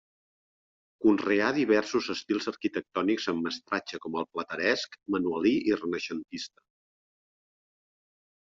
Conreà diversos estils arquitectònics amb mestratge com el plateresc, manuelí i renaixentista.